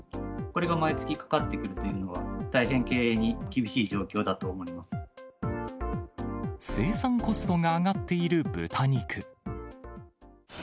これが毎月かかってくるというのは、大変、経営に厳しい状況だと生産コストが上がっている豚肉。